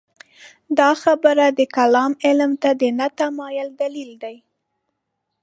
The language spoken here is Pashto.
دا خبره د کلام علم ته د نه تمایل دلیل دی.